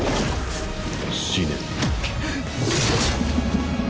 死ね。